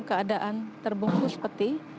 keadaan terbungkus peti